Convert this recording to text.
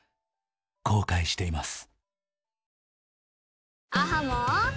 「後悔しています」